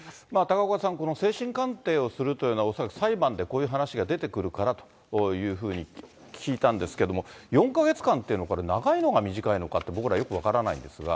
高岡さん、精神鑑定をするというのは、いわゆる裁判でこういう話が出てくるからというふうに聞いたんですけども、４か月間っていうの、これ長いのか短いのかって、僕ら、よく分からないんですが。